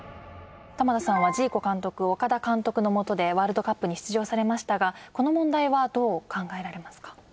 玉田さんはジーコ監督岡田監督のもとでワールドカップに出場されましたがこの問題はどう考えられますか？